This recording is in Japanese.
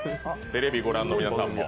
テレビをご覧の皆さんも。